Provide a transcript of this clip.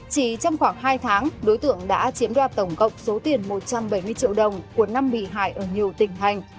chỉ trong khoảng hai tháng đối tượng đã chiếm đoạt tổng cộng số tiền một trăm bảy mươi triệu đồng của năm bị hại ở nhiều tỉnh hành